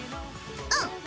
うん。